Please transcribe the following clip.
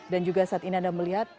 dan juga saat ini anda melihat